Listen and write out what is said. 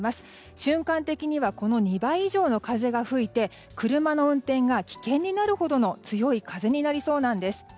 瞬間的にはこの２倍以上の風が吹いて車の運転が危険になるほどの強い風になりそうなんです。